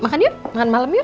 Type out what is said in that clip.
makan yuk makan malem yuk